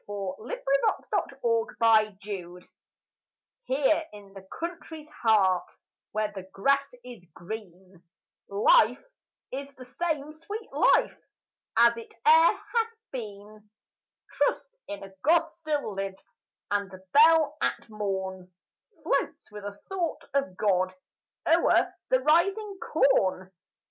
JOHN DAVIDSON. THE COUNTRY FAITH Here in the country's heart Where the grass is green, Life is the same sweet life As it e'er hath been Trust in a God still lives, And the bell at morn Floats with a thought of God O'er the rising corn.